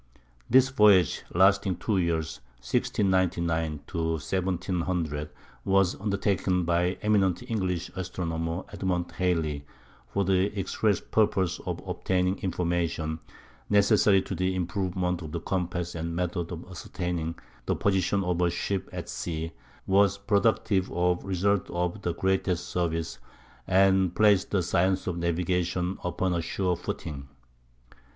This voyage, lasting two years (1699 1700), was undertaken by the eminent English astronomer Edmund Halley for the express purpose of obtaining information necessary to the improvement of the compass and methods of ascertaining the position of a ship at sea, was productive of results of the greatest service, and placed the science of navigation upon a sure footing.